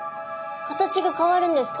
形が変わるんですか？